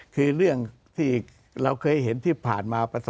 คือเรื่องที่เราเคยเห็นที่ผ่านมา